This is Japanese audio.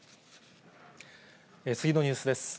次のニュースです。